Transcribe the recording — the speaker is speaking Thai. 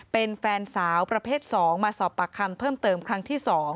เป็นแฟนสาวประเภท๒มาสอบปากคำเพิ่มเติมครั้งที่๒